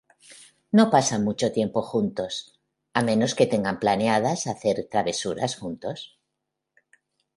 No pasan mucho tiempo juntos, a menos que tengan planeadas hacer travesuras juntos.